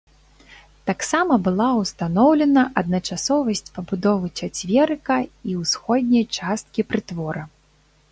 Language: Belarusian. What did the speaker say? Таксама была ўстаноўлена адначасовасць пабудовы чацверыка і ўсходняй часткі прытвора.